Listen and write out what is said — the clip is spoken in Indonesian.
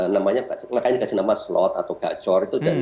namanya mereka hanya dikasih nama slot atau gacor itu